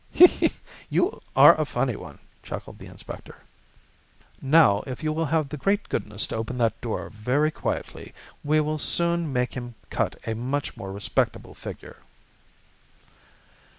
he! You are a funny one," chuckled the inspector. "Now, if you will have the great goodness to open that door very quietly, we will soon make him cut a much more respectable figure."